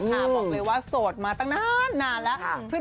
บอกเลยว่าโสดมาตั้งนานแล้ว